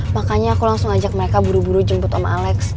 makanya aku langsung ajak mereka buru buru jemput sama alex